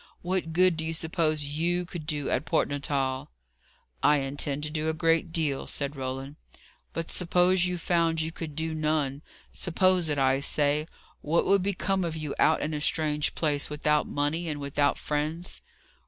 What good do you suppose you could do at Port Natal?" "I intend to do a great deal," said Roland. "But suppose you found you could do none suppose it, I say what would become of you out in a strange place, without money, and without friends?"